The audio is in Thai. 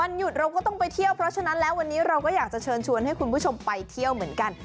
หยุดเราก็ต้องไปเที่ยวเพราะฉะนั้นแล้ววันนี้เราก็อยากจะเชิญชวนให้คุณผู้ชมไปเที่ยวเหมือนกัน